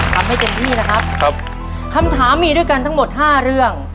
ทำให้เต็มที่นะครับครับคำถามมีด้วยกันทั้งหมดห้าเรื่อง